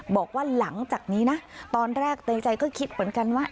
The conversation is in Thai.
บอกว่าหลังจากนี้นะตอนแรกในใจก็คิดเหมือนกันว่า